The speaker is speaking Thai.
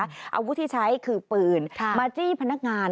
อาวุธที่ใช้คือปืนมาจี้พนักงาน